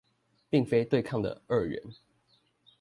並非對抗的二元